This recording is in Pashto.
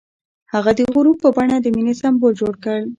هغه د غروب په بڼه د مینې سمبول جوړ کړ.